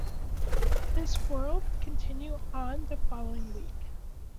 This would continue on the following week.